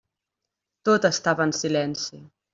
Tot estava en silenci.